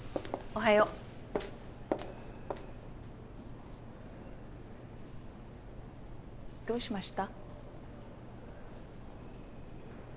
おはよう。どうしました？